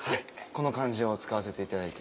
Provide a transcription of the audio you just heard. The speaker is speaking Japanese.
この漢字を使わせていただいて。